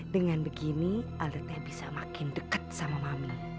dengan begini alda teh bisa makin deket sama mami